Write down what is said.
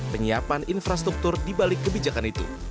penyiapan infrastruktur dibalik kebijakan itu